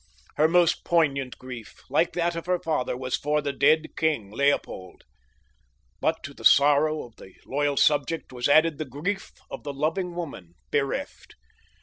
Her most poignant grief, like that of her father, was for the dead king, Leopold; but to the sorrow of the loyal subject was added the grief of the loving woman, bereft.